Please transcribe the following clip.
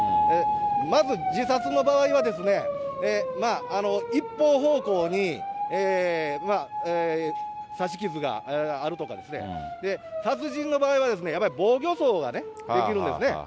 まず自殺の場合はですね、一方方向に刺し傷があるとかですね、殺人の場合はですね、やっぱり防御創が出来るんですね。